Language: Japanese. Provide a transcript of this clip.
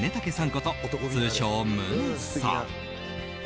こと、通称宗さん。